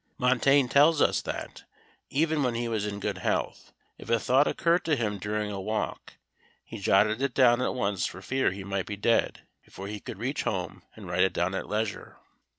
Montaigne tells us that, even when he was in good health, if a thought occurred to him during a walk he jotted it down at once for fear he might be dead before he could reach home and write it down at leisure.